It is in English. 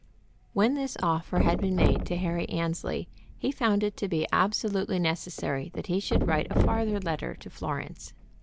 When this offer had been made to Harry Annesley he found it to be absolutely necessary that he should write a farther letter to Florence.